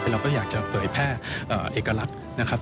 เราก็อยากจะเผยแพร่เอกลักษณ์นะครับ